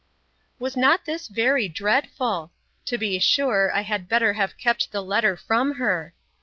Was not this very dreadful! To be sure, I had better have kept the letter from her.